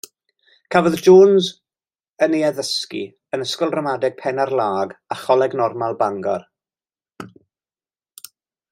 Cafodd Jones yn ei addysgu yn Ysgol Ramadeg Penarlâg a Choleg Normal Bangor.